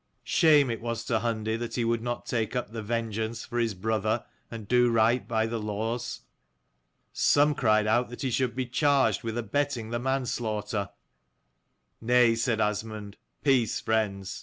Shame it was to Hundi that he would not take up the vengeance for his brother, and do right by the laws. Some cried out that he should be charged with abetting the manslaughter. "Nay," said Asmund, "peace, friends.